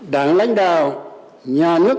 đảng lãnh đạo nhà nước